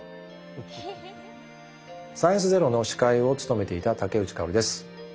「サイエンスＺＥＲＯ」の司会を務めていた竹内薫です。